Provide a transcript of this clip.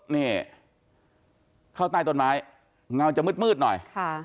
นี่เข้าใต้ต้นไม้เงาจะมืดหน่อย